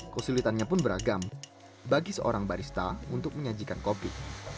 kesulitannya pun beragam bagi seorang barista untuk menyajikan kopi